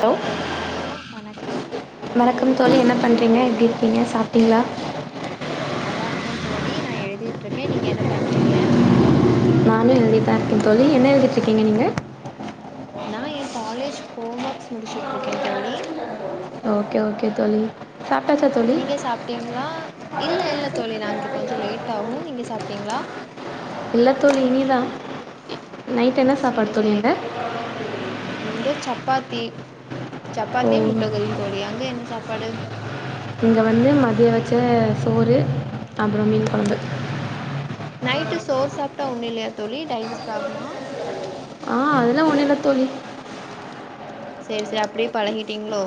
Hello hello வணக்கம் வணக்கம் தோழி என்ன பண்றீங்க எப்டி இருக்கீங்க சாப்பிட்டீங்களா நல்லா இருக்கேன் தோழி நா எழுதிட்டு்ருக்கே நீங்க என்ன பண்ணுறீங்க நானு எழுதிட்டுதா இருக்கே தோழி என்ன எழுதிட்டுருக்கீங்க நீங்க நா ஏ காலேஜ் ஹோம் ஒர்க்ஸ் முடிச்சுட்டுருக்கே தோழி ஓகே ஓகே தோழி சாப்பிட்டா சா நீங்க சாப்பிட்டீங்களா இல்ல இல்ல தோழி நா இங்கே கொஞ்சோ லேட் ஆகு நீங்க சாப்பிட்டீங்களா இல்ல தோழி இனிதா சேரி சேரி இங்க சப்பாத்தி ஓ சப்பாத்தியு முட்டைக்கறியு தோழி அங்க என்ன சாப்பாடு இங்க வந்து மதிய வச்ச சோறு அப்பற மீன் கொழம்பு நைட்டு சோறு சாப்ட்டா ஒன்னு இல்லயா தோழி டைஜிஸ்ட் ஆகுமா ஆ அதுல்லா ஒன்னு இல்ல தோழி சேரி சேரி அப்டியே பழகிட்டீங்களோ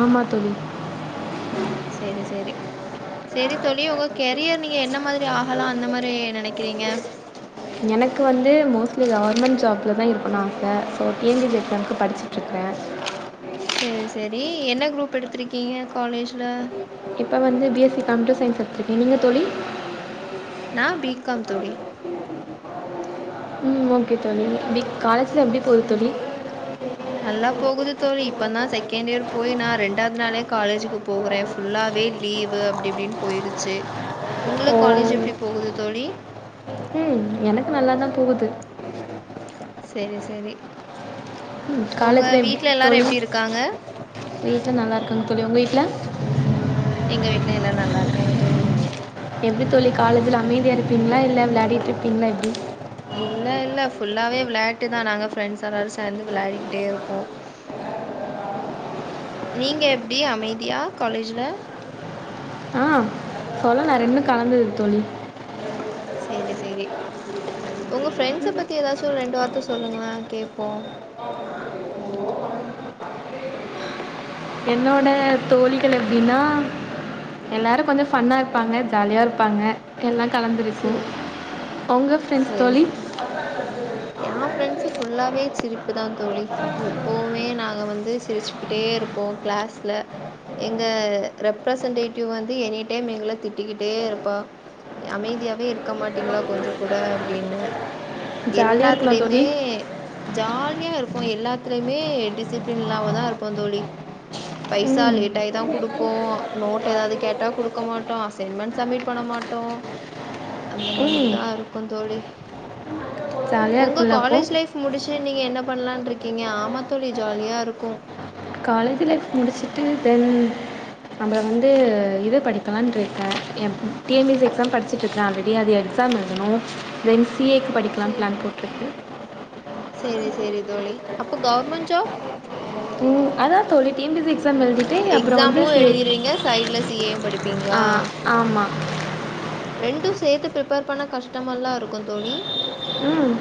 ஆமா தோழி சேரி சேரி செரி தோழி உங்க கெரியர் நீங்க என்ன மாரி ஆகலா அந்த மாறி நெனைக்கிறீங்க எனக்கு வந்து மோஸ்ட்லி கவர்மெண்ட் ஜாப்ல தா இருக்கணு ஆசை so T N P C எக்ஸாமுக்கு படிச்சு இருக்கே சேரி சேரி என்ன குரூப் எடுத்திருக்கீங்க காலேஜ்ல இப்ப வந்து B S C computer science எடுத்துருக்கேங்க நீங்க தோழி நா பீ காம் தோழி ம் ஓகே தோழி இன்னைகி காலே சேரி [inaudible] நல்லா போகுது தோழி இப்போ தான் செகண்ட் இயர் போய் நா ரெண்டாவது நாளே காலேஜுக்கு போகுறே ஃபுல்லாவே லீவு அப்டி இப்டின்னு போயிருச்சு ஓ உங்களுக் காலேஜ் எப்டி போகுது தோழி ம் எனக் நல்லா தான் போகுது ம் செரி செரி ம் உங்க வீட்ல எல்லாரு எப்டி இருக்காங்க வீட்ல நல்லாருக்காங்க தோழி உங்க வீட்ல எங்க வீட்லயு எல்லா நல்லாருக்காங்க தோழி எப்டி தோழி காலேஜ்ல அமைதியா இருப்பிங்ளா இல்ல விளையாடிட்டு இருப்பிங்ளா எப்டி இல்ல இல்ல ஃபுல்லாவே விளையாட்டுதா நாங்க ஃப்ரெண்ட்ஸ் எல்லாரு சேந்து விளாடிக்கிட்டே இருப்போ நீங்க எப்டி அமைதியா காலேஜ்ல ஆ சொல்லா நா ரெண்டு கலந்தது தோழி செரி செரி உங்க ஃபிரண்ட்ஸ பத்தி எதாச்சு ஒரு ரெண்டு வார்த்த சொல்லுங்களே கேப்போ என்னோட தோழிகள் எப்டின்னா எல்லாரு கொஞ்ச ஃபன்னா இருப்பாங்க ஜாலியா இருப்பாங்க எல்லா கலந்திருக்கு சரி உங்க ஃப்ரெண்ட்ஸ் தோழி எ ஃப்ரெண்ட்ஸ் ஃபுல்லாவே சிரிப்புதா தோழி எப்போமே நாங்க வந்து சிரிச்சுக்கிட்டே இருப்போ கிளாஸ்ல எங்க ரெப்ரசன்டேட்டிவ் வந்து எனி டைம் எங்கள திட்டிகிட்டே இருப்பா அமைதியாவே இருக்க மாட்டிங்ளா கொஞ்சங் கூட அப்டின்னு ஜாலியாக இருக்கலாம் தோழி எல்லாத்துலயுமே ஜாலியா இருப்போ எல்லாத்துலயுமே டிசிப்ளின் இல்லாமதா இருப்போ தோழி பைசா ம் லேட் ஆயிதா குடுப்போ நோட் ஏதாவது கேட்டா குடுக்க மாட்டோ அசைன்மென்ட் சமிட் பண்ண மாட் டோ அந்த ம் மாதிரிதா இருக்கு தோழி ஜாலியாக உங்க இருக்கும்ல அப்போது காலேஜ் லைஃப் முடிச்சு நீங்க என்ன பண்லான்ட்ருக்கிங்க ஆமா தோழி ஜாலியா இருக்கு காலேஜ் லைஃப் முடிச்சிட்டு தெ அப்பற வந்து இது படிக்கலான்ட்ருக்கே எ T N P S C exam படிச்சிட்டு ருக்க ஆல்ரெடி அது எக்ஸாம் எழுதணு தென் சி ஏக்கு படிக்கலா பிளான் போட்ருக்கு செரி செரி தோழி அப்ப கவர்மெண்ட் ஜாப் ம் அதா தோழி T N P C exam எழுதி எக்ஸாமு எழுதிருவிங்க சைட்ல சி ஏ படிப்பிங்ளா ஆமா ரெண்டு சேத்து ப்ரிப்பேர் பண்ண கஷ்டமல்லா இருக்கு தோழி ம்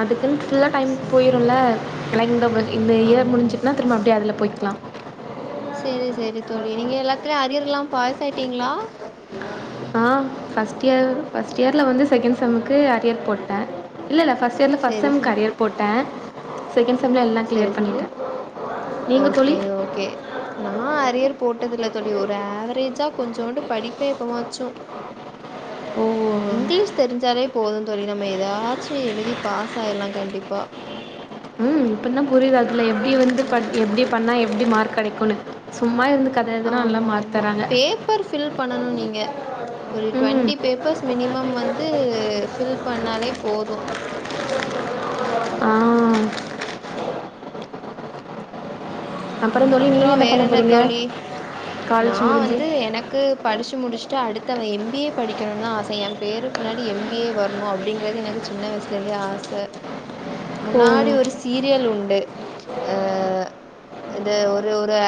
அதுக்குன் ஃபுல்லா டைம் சரி போயிருல்ல லைக் இந்த இந்த இயர் ஆமாம் ஆமாம் முடிஞ்சுட்டுனா திரும்ப அப்படியே அதுல போய்க்கலா செரி செரி தொழி நீங்க எல்லாத்துலயு அரியர் இல்லாம பாஸ் ஆயிட்டிங்ளா ஆ ஃபஸ்ட் இயர் ஃபஸ்ட் இயர்ல வந்து செகண்ட் செம்முக்கு அரியர் போட்டே இல்லல்ல ஃபஸ்ட் இயர்ல ஃபஸ்ட் சரி செம்க்கு சரி அரியர் போட்டே செகண்ட் செம்ல எல்லா சரி கிளியர் சரி பண்ணிட்ட நீங்க தோழி ஓகே ஓகே நா அரியர் போட்டதில்ல தோழி ஒரு ஆவரேஜா கொஞ்சோண்டு படிப்பே எப்பவாச்சு ஓ இங்கிலீஷ் தெரிஞ்சாலே போது தோழி நம்ம எதாச்சு எழுதி பாஸ் ஆயிர்லா கண்டிப்பா இப்பதா புரிது அதுல எப்படி வந்து எப்டி பண்ணா எப்டி மார்க் கெடைக்குன்னு சும்மா இருந்து கதை எழுதுனா எல்லா ஆமாம் மார்க் ஆமாம் தராங்க பேப்பர் ஃபில் பண்ணணு நீங்க ஒரு ம் ட்வெண்ட்டி பேப்பர்ஸ் மினிமம் வந்து ஃபில் பண்ணாலே போது ஆ அப்புறம் ம் தோழி அப்றோ நீங்கள் என்ன பண்ண வேறென்ன போகிறீங்க தோழி காலேஜ் நான் முடிஞ்சு வந்து என க்கு படிச்சு முடிஸ்ட்டு அடுத்தவ எம் பி ஏ படிக்கணுன்தா ஆச என் பேருக் பின்னாடி எம் பி ஏ வர்ணு அப்டிங்கிறது எனக்கு சின்ன வய்ஸ்லர்ந்தே ஆச ஓ முன்னாடி ஒரு சீரியல் உண்டு அ இந்த ஒரு ஒரு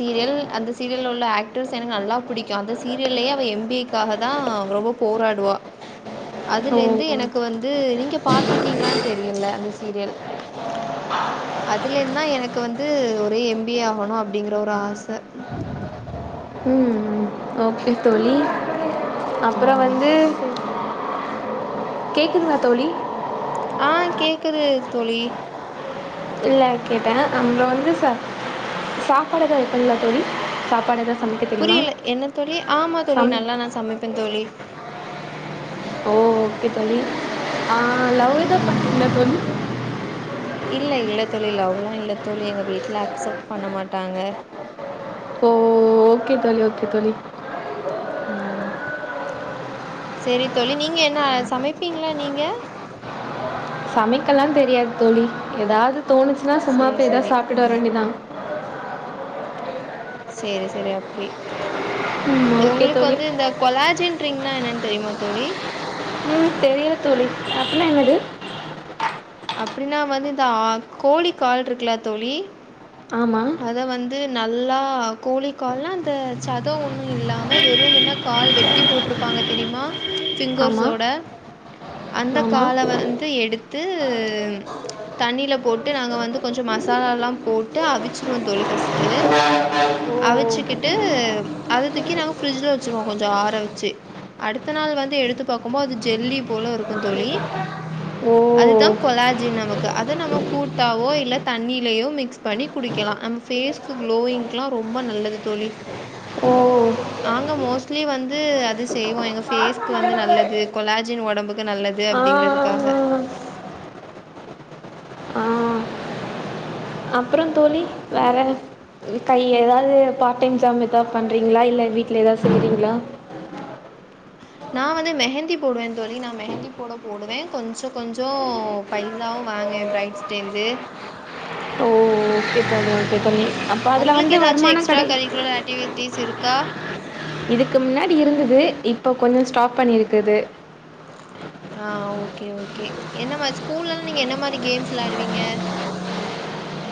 சீரியல் அந்த சீரியல்ல உள்ள ஆக்டர்ஸ் எனக்கு நல்லா பிடிக்கு அந்த சீரியல்லயே அவ எம் பி ஏ க்காகதான் அவ ரொம்ப போராடுவா ஓ அதுல இர்ந்து எனக்கு வந்து நீங்க பாத்திருக்கீங்ளான் தெரியில அந்த சீரியல் அதுல இர்ந்தா எனக்கு வந்து ஒரே எம் பி ஏ ஆகணு அப்டிங்குற ஒரு ஆச ம் ம் ஓகே தோழி அப்புறம் ம் வந்து சேர் கேக்குதுங்ளா தோழி ஆ கேக்குது தோழி இல்ல கேட்டேன் அங்க வந்து சா சாப்பாடு எது வப்பீங்ளா தோழி சாப்பாடு எது புரியல என்ன தோழி ஆமா தோழி சமை நல்லா நான் சமைப்பேன் தோழி ஓ ஓகே தோழி ஆ லவ் எது பண்றீங்ளா தோழி இல்ல இல்ல தோழி லவ்லா இல்ல தோழி எங்க வீட்ல அக்செப்ட் பண்ண மாட்டாங்க ஓ ஓகே தோழி ஒகே தோழி ம் சேரி தோழி நீங்க என்ன சமைப்பீங்ளா நீங்க சமைக்கலா தெரியாது தோழி எதாவ்து தோணுச்சுனா சும்மா சரி போய் எதா சரி சாப்டுட்டு வர வேண்டிதா சேரி சேரி அப்டி ம் இது ஓகே உங்ளுக்கு தோழி வந்து இந்த கொலாஜின் ட்ரிங்னா என்னன் தெரியுமா தோழி ம் தெரியல தோழி அப்டினா என்னது அப்டினா வந்து இந்த ஆ கோழிக்கால்ட்ருக்குல தோழி ஆமா அத வந்து நல்லா கோழிக்கால்னா அந்த சத ஒன்னு இல்லாம வெறுமென கால் வெட்டி போட்ருப்பாங்க தெரிமா ஆமாம் ஃபிங்கர்ஸோட அந்த ஆமாம் கால வந்து எடுத்து தண்ணில போட்டு நாங்க வந்து கொஞ்சோ மசாலாலா போட்டு அவிச்சிருவோ தோழி ஃபஸ்ட்டு ஓ அவிச்சுக்கிட்டு அத தூக்கி நாங்க ஃபிரிட்ஜ்ல வச்சுருவோ கொஞ்சோ ஆற வச்சு அடுத்த நாள் வந்து எடுத்து பாக்குமோத் அது ஜெல்லி போல இருக்கு தோழி ஓ அதுதா கொலாஜின் நமக்கு அது நம்ம கூட்டாவோ இல்ல தண்ணிலயோ மிக்ஸ் பண்ணி குடிக்கலா நம்ம ஃபேஸ் க்கு குளோயிங்லா ரொம்ப நல்லது தோழி ஓ நாங்க மோஸ்ட்லி வந்து அது செய்வோ எங்க பேஸ்க்கு வந்து நல்லது கொலாஜின் ஒடம்புக்கு நல்லது ஆ அப்டிங்க்றது க்காக அப்றோ தோழி வேற இப்ப எதாது பார்ட்டைம் ஜாம் எதாது பண்றீங்ளா இல்ல வீட்ல எதாது செய்றீங்ளா நான் வந்து மெஹந்தி போடுவேன் தோழி நான் மெஹந்தி போட போடுவே கொஞ்சோ கொஞ்சோ பைசாவு வாங்குவே பிரைட்ஸ்ட்ட இர்ந்து ஓ ஓகே தோழி ஓகே தோழி அம் ஒங்ளுக்கு எதாச்சு எக்ஸ்ட்ரா கரிக்குலர் ஆக்டிவிட்டீஸ் இருக்கா இதுக்கு முன்னாடி இருந்தது இப்போ கொஞ்சோ ஸ்டாப் பண்ணிருக்குது ஆ ஓகே ஓகே என்ன மாரி ஸ்கூல்லலா நீங்க என்ன மாரி கேம்ஸ் விளாடுவீங்க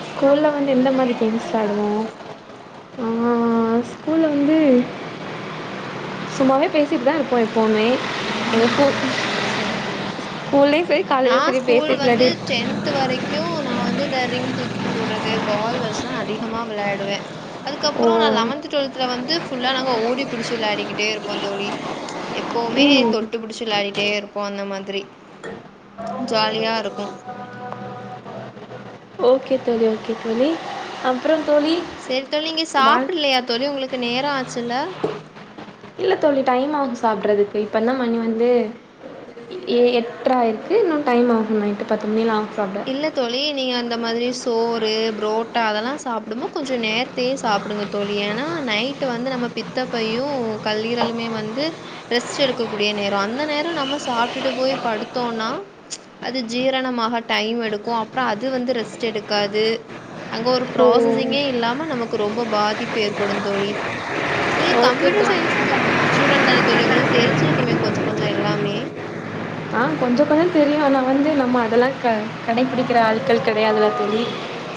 ஸ்கூல்ல வந்து எந்த மாதிரி கேம்ஸ் விளயாடுவோ ஆ ஸ்கூல்ல வந்து சும்மாவே பேசிட்டு தா இருப்போ எப்பவ்மே செரி நா காலேஜ்லேயும் சரி ஸ்கூல் பேசிகிட்டு வந்து விளையாடி டென்த் த்து வரைக்கூ நா வந்து இந்த ரிங் தூக்கி போட்றது பால் வெச்சு தா அதிகமா விளையாடுவே ஓ அதுக்கப்புறோ நா லெவன்த் டுவெல்த்ல வந்து ஃபுல்லா நாங்க ஓடி புடிச்சு விளையாடிக்கிட்டே இருப்போ தோழி எப்பவுமே ம் தொட்டு புடிச்சு விளயாடிட் டெ இருப்போ அந்த மாதிரி ஜாலியா இருக்கூ ஓகே தோலி ஓகே தோழி அப்புறோ தோழி சரித் தோழி நீங்க வாழ் சாப்பிட்லியா தோழி உங்களுக்கு நேரோ ஆச்சுல்ல இல்ல தேழி டைம் ஆகூ சாப்பிட்றதுக்கு இப்போ நா மணி வந்து ஏ எட்டரா ஆயிருக்கூ இன்னூ டைம் ஆகூ நைட்டு பத்து மணி ஆகூ சாப்ட இல்ல தொழி நீங்க அந்த மாதிரி சோறு புரோட்டா அதெல்லா சாப்பிடும்போ கொஞ்சொ நேரத் தே சாப்பிடுங்க தோழி ஏன்னா நைட்டு் வந்து நம்ம பித்தப்பையூ கல்லீரலுமே வந்து ரெஸ்ட் எடுக்கக்க கூடிய நேரோ அந்த நேரோ நம்ம சாப்பிட்டுட்டு போய் படுத்தோனா அது ஜீரணமாக டைம் எடுக்கோ அப்புறோ அது வந்து ரெஸ்ட் எடுக்காது அங்க ஒரு ஓ ப்ராசஸிங்கே இல்லாம நமக்கு ரொம்ப பாதிப்பு ஏற்படூ தோழி நீங் ஓகே கம்ப்யூட்டர் தோழி சயின்ஸ் தூ ஸ்டூடெண்ட் தான தோழி உங்களுக்கு தெரிஞ்சுருக்குமே கொஞ்சொ கொஞ்சொ எல்லாமே ஆ கொஞ்சொ கொஞ்சொ தெரியயூ ஆனா வந்து நம்ம அதெல்லா க கடைப்பிடிக்கிற ஆள் கிடையாதுல்லா தேழி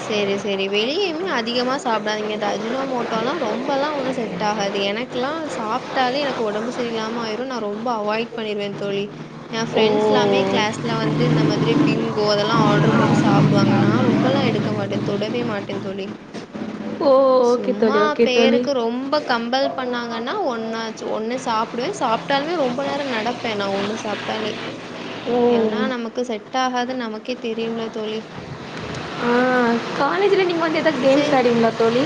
செரி செரி வெளியுமே அதிகமா சாப்பிடாதீங்க இந்த அஜினோ மோட்டோல்லா ரொம்பல்லா உள்ள சேத் செட் ஆகாது எனக்குல்லா சாப்பிட்டாலே எனக்கு உடம்பு சரியில்லாம ஆயிரூம் நா ரொம்ப அவாய்ட் பண்ணிருவே தோழி என் ஓ பிரண்ட்ஸ்ல்லாமே கிளாஸ்ல வந்து இந்த மாதிரி பிங்கோ அதெல்லா ஆர்டர் போட்டு சாப்பிடுவாங்கா நா ரொம்பல்லா எடுக் க மாட்டே தோழி தொடவே மாட்டே தோழி ஓ ஓகே சும்மா தோழி ஓகே தோழி பேருக்கு ரொம்பக் கம்பல் பண்ணாங்கன்னா ஒன்னாச்சு ஒன்னு சாப்படுவே சாப்பிட்டாலுமே ரொம்ப நேரொ நடப்பே நா ஒன்னு சாப் லி ஓ ஏன்னா நமக்கு செட் ஆகாது நமக்கே தெரியும்ல்ல தோலி காலேஜ்ல நீங்க வந்து எதாச் கேம்ஸ் சரி ஆடூவீங்களா தோழி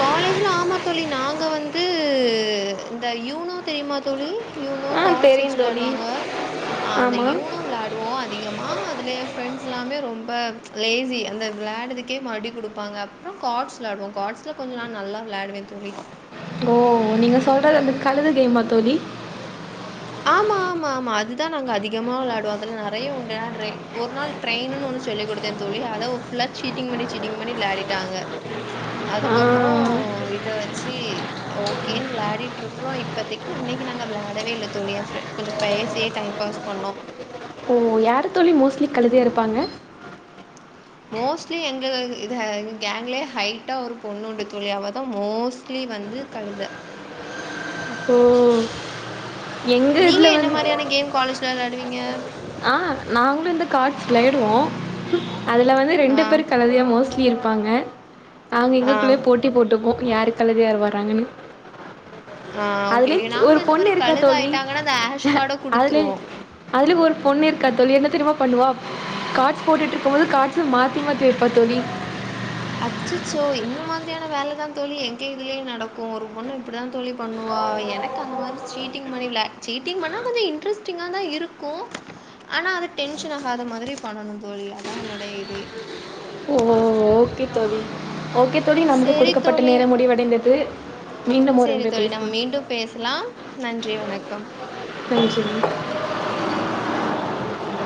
காலேஜில்ல ஆமா தோழி நாங்க வந்து இந்த யூனோ தெரியுமா தேழி யூனோ ஆ கார்ட்ஸ் வெச்சி தெரியும் தோழி விளையாடுவாங்க அந்த ஆமாம் யூனோ விளையாட் போவோ அதிகமாக அதல ஏ ஃப்ரெண்ட்ஸ் எல்லாமே ரொம்ப லேஸி அந்த விளாட்றத்துக்கே மறுபடியூ குடுப்பாங்க அப்றோ காட்ஸ் விளாடுவோ கார்ட்ஸ்ல கொஞ்சொ நல்லா விளாடுவே தோலி ஓ நீங்க சொல்றது அந்த கழுத கேம்மா தோழி ஆமாம் ஆமா ஆமா அதுதா நாங்க அதிகமா விளையாடுவோ அதல நறய உண்டு ஹான்ரை ஒரு நாள் ட்ரெயின்னூ ஒன்னு சொல்லிக் குடுத்தே தோழி அத ஃபுல்லா சீட்டிங் பண்ணி சீட்டிங் பண்ணி விளாடிட்டாங்க அதுக்கப்புறோ ஆ இத வெச்சி ஓகேன் விளாடிட்டு இருக்குறோ இப்பத்தைக்கு இன்னிக்கு நாங்க விளாடவே இல்ல தோலி ஏ ஃபரண்ட் கொஞ்சொ பேசியே டைம் பாஸ் பண்ணோ ஓ யாரூ தோழி மோஸ்ட்லி கழுதயா இருப்பாங்க மோஸ்ட்லி எங்க இது கேங்லே ஹைட்டா ஒரு பொண்ணுண்டு தோழி அவெ தா மோஸ்ட்லி வந்து கழுத தோ நீங்க என்ன மாரியான கேம் காலேஜ்ல விளயாடுவீங்க ஆ நாங்களூ இந்த கார்ட்ஸ் விளைடுவோ அதுல வந்து ரெண்டு ஆ பேரூ கழுதயா மோஸ்ட் த்தி இருப்பாங்க நாங்க எங்கக்குள்ளயே ஆ போட்டி போட்டுக்குவோ யாருக் கலதியார் வறராங்கன்னு ஆ ஓகேேநாங்க இந்த மாரி தோழி. கழுதயிட்டாங்கன்னா அந்த யஷ் கார்ட்ட அதுல குடுத்துருவோம் அதுல ஒரு பொண்ணு இருக்கா தோழி என்ன தெரியுமா பண்ணுவா கார்ட்ஸ் போட்டுட்டு இருக்கும் மோது கார்ட்ஸ மாத்தி மாத்தி வெப்பா தோழி அச்சச்சோ இந்த மாதிரியான வேல தான் தோழி எங்க இதுலயும் நடக்கும் ஒரு பொண்ணு இப்டி தான் தோழி பண்ணுவா எனக் னக் அந்த மாரி சீட்டிங் பண்ணி சீட்டிங் பண்ணால் கொஞ்சோம் இன்ட்ரெஸ்டிங்கா தான் இருக்கும் ஆனா அது டென்ஷன் ஆகாத மாதிரி பண்ணணும் தோழி அதான் என்னோடைய இதுவே ஓ! ஓகே தோழி ஓகே தோழி நமக்கு சரி குடுக்கப்பட்ட தோழி நேரம் முடிவடைந்தது மீண்டும் ஒரு சரி முறை தோழி நம்ம பேசுவோம் மீண்டும் பேசலாம் நன்றி வணக்கம் [inaudible]